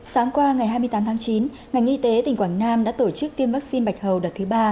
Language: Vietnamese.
sáng qua ngày hai mươi tám tháng chín ngành y tế tp hcm đã tổ chức tiêm vaccine bạch hầu đợt thứ ba